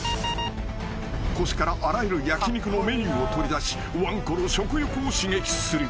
［腰からあらゆる焼き肉のメニューを取り出しわんこの食欲を刺激する］